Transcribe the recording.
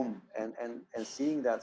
berada di rumah dan melihat